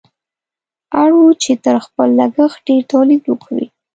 اړ وو چې تر خپل لګښت ډېر تولید وکړي.